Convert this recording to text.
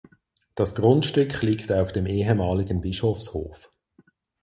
Das Grundstück liegt auf dem ehemaligen Bischofshof.